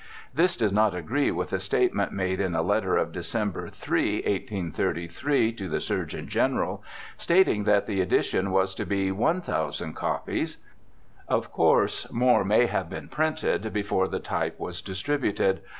This does not agree with the state ment made in a letter of Dec. 3, 1833, to the Surgeon General, stating that the edition was to be 1,000 copies. Of course more may have been printed before the type was distributed.